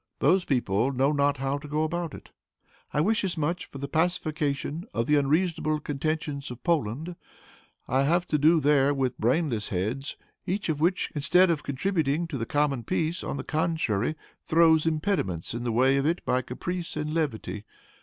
Those people know not how to go about it. "I wish as much for the pacification of the unreasonable contentions of Poland. I have to do there with brainless heads, each of which, instead of contributing to the common peace, on the contrary, throws impediments in the way of it by caprice and levity.